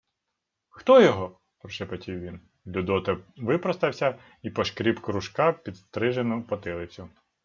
— Хто його? — прошепотів він. Людота випростався й пошкріб кружка підстрижену потилицю.